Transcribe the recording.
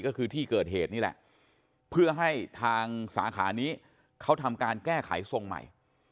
ก็คือที่เกิดเหตุนี่แหละเพื่อให้ทางสาขานี้เขาทำการแก้ไขทรงใหม่